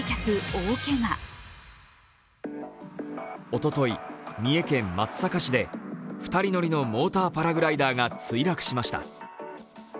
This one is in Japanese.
おととい、三重県松阪市で２人乗りのモーターパラグライダーが墜落しました。